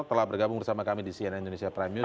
telah bergabung bersama kami di cnn indonesia prime news